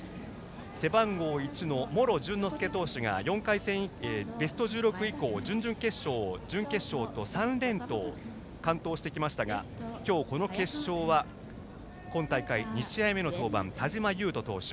背番号１の茂呂潤乃介投手がベスト１６以降準々決勝、準決勝と３連投、完投してきましたが今日、この決勝は今大会２試合目の登板田嶋勇斗投手。